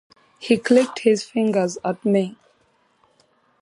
He clicked his fingers at me.